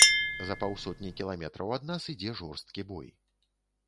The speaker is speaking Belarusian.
За паўсотні кіламетраў ад нас ідзе жорсткі бой.